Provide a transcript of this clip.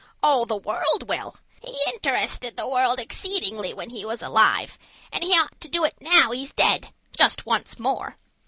All the world will. He interested the world exceedingly when he was alive, and he ought to do it now he's dead just once more.